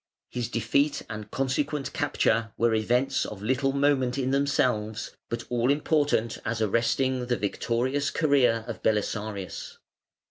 His defeat and consequent capture were events of little moment in themselves, but all important as arresting the victorious career of Belisarius.